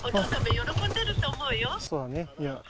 喜んでると思う。